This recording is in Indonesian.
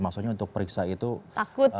maksudnya untuk periksa itu